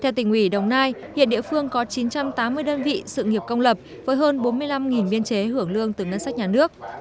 theo tỉnh ủy đồng nai hiện địa phương có chín trăm tám mươi đơn vị sự nghiệp công lập với hơn bốn mươi năm biên chế hưởng lương từ ngân sách nhà nước